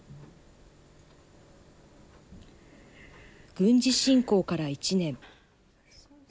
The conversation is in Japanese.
軍事侵攻から１年。